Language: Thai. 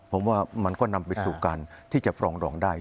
ผมว่ามันก็นำไปสู่การที่จะปรองดองได้